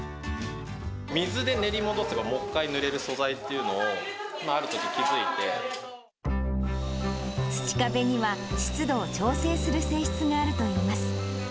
水で練り戻せば、もう一回塗れる素材っていうのを、土壁には湿度を調整する性質があるといいます。